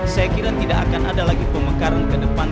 saya kira tidak akan ada lagi pemekaran ke depan